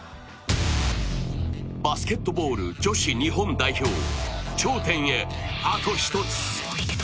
バスケットボール女子日本代表頂点へ、あと１つ。